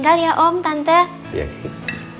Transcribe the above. masakan yang terbaik